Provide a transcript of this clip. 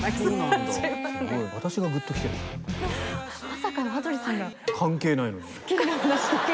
まさかの羽鳥さんが。